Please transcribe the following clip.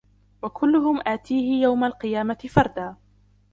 وَكُلُّهُمْ آتِيهِ يَوْمَ الْقِيَامَةِ فَرْدًا